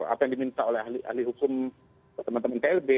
apa yang diminta oleh ahli hukum teman teman klb